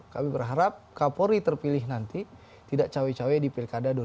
kami berharap kapolri terpilih nanti tidak cawe cawe di pilkada dua ribu tujuh belas